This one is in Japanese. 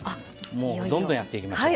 もうどんどんやっていきましょう。